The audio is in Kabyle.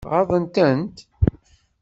Ɣaḍen-tent?